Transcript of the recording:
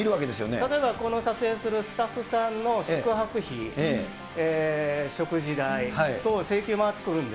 例えば、この撮影するスタッフさんの宿泊費、食事代等、請求回ってくるんで。